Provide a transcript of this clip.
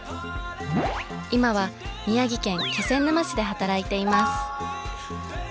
今は宮城県気仙沼市で働いています。